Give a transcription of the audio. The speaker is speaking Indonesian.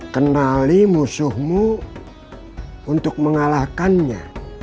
kenali musuhmu untuk mengalahkannya